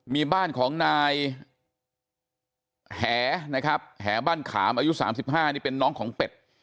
มีบ้านของนายแหนะครับแหบ้านขามอายุ๓๕นี่เป็นน้องของเป็ด